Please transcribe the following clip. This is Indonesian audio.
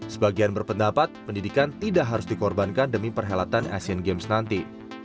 sebagian berpendapat pendidikan tidak harus dikorbankan demi perhelatan asian games nanti